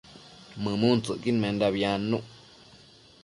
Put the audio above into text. mëmuntsëcquidmendabi adnuc